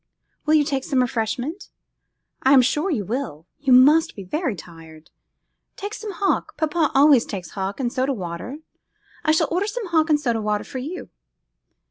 'Will you take some refreshment? I am sure you will; you must be very tired. Take some hock; papa always takes hock and soda water. I shall order some hock and soda water for you.